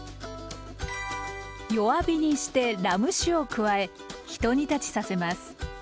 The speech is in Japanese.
弱火にしてラム酒を加えひと煮立ちさせます。